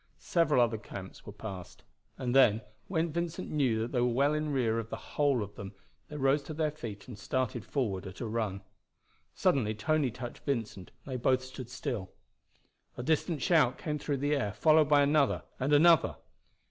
Several other camps were passed; and then, when Vincent knew that they were well in rear of the whole of them, they rose to their feet and started forward at a run. Suddenly Tony touched Vincent, and they both stood still. A distant shout came through the air, followed by another and another.